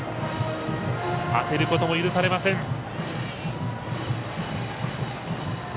当てることも許されません。